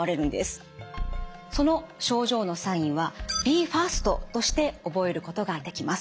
その症状のサインはＢＥＦＡＳＴとして覚えることができます。